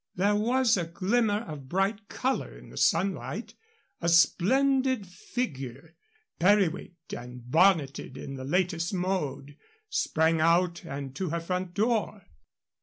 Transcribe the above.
There was a glimmer of bright color in the sunlight. A splendid figure, periwigged and bonneted in the latest mode, sprang out and to her front door.